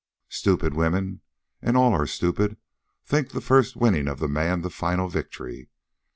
"Stupid women, and all are stupid, think the first winning of the man the final victory.